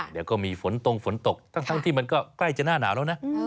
เดี๋ยวก็มีฝนตรงฝนตกทั้งที่มันก็ใกล้จะหน้าหนาวแล้วนะ